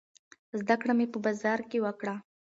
زده کړه مې په بازار کې وکړه.